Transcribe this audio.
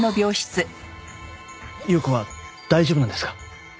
裕子は大丈夫なんですか？